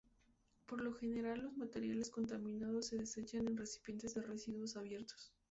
Por lo general, los materiales contaminados se desechan en recipientes de residuos abiertos.